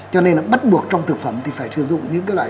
cho nên là bắt buộc trong thực phẩm thì phải sử dụng những cái loại